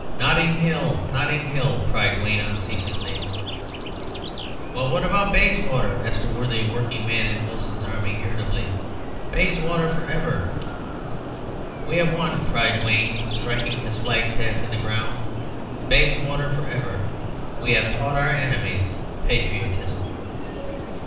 "'Notting Hill! Notting Hill!' cried Wayne, unceasingly. "'Well, what about Bayswater?' said a worthy working man in Wilson's army, irritably. 'Bayswater for ever!' "'We have won!' cried Wayne, striking his flag staff in the ground. 'Bayswater for ever! We have taught our enemies patriotism!'